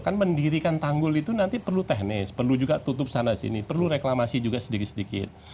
kan mendirikan tanggul itu nanti perlu teknis perlu juga tutup sana sini perlu reklamasi juga sedikit sedikit